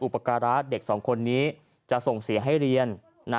ปการะเด็กสองคนนี้จะส่งเสียให้เรียน